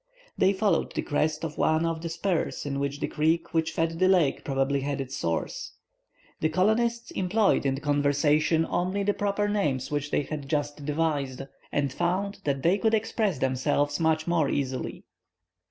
They followed the crest of one of the spurs in which the creek which fed the lake probably had its source. The colonists employed in conversation only the proper names which they had just devised, and found that they could express themselves much more easily.